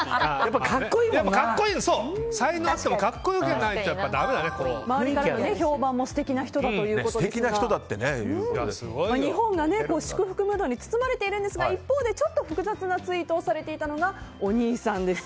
才能あっても周りからの評判も素敵な人だということで日本が祝福ムードに包まれているんですが一方で、複雑なツイートをされていたのがお兄さんです。